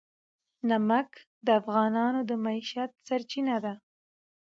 نمک د افغانانو د معیشت سرچینه ده.